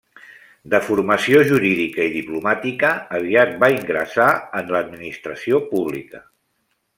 De formació jurídica i diplomàtica, aviat va ingressar en l'administració pública.